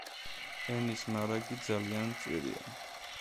ენის მარაგი ძალიან მწირია.